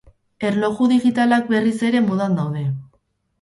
Erloju digitalak berriz ere modan daude.